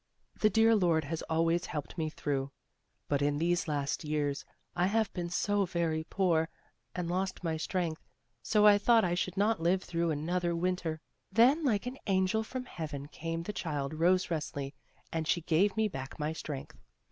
The dear Lord has always helped me through. But in these last'years I have been so very poor and lost my strength, so I thought I should not live through another Winter. SORROW MOTHER NO LONGER 59 "Then like an angel from Heaven came the child Rose Resli, and jshe gave me back my strength.